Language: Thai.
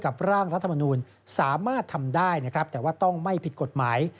กับร่างรัฐมนุนสามารถทำได้แต่ว่าต้องไม่ผิดกฎหมาย